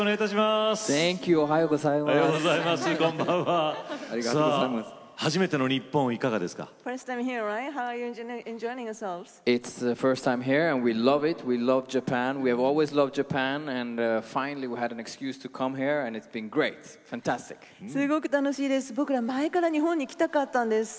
すごく楽しいです。